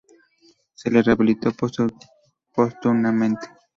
Se le rehabilitó póstumamente.